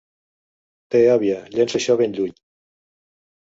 Té, àvia, llança això ben lluny.